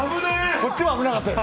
こっちも危なかったです。